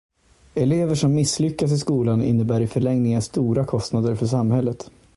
Elever som misslyckas i skolan innebär i förlängningen stora kostnader för samhället.